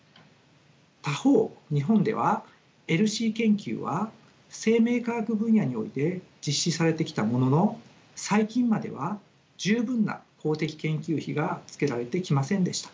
他方日本ではＥＬＳＩ研究は生命科学分野において実施されてきたものの最近までは十分な公的研究費がつけられてきませんでした。